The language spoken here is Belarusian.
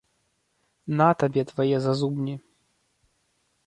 На табе твае зазубні.